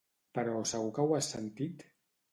Però segur que ho has sentit?